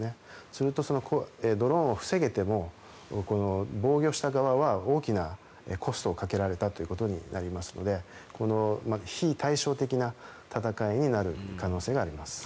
すると、ドローンを防げても防御した側は大きなコストをかけられたということになりますので非対称的な戦いになる可能性があります。